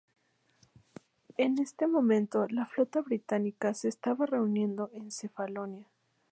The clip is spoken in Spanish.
En ese momento, la flota británica se estaba reuniendo en Cefalonia.